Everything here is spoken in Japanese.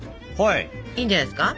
いいんじゃないですか？